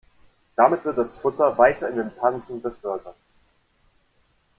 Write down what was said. Damit wird das Futter weiter in den Pansen befördert.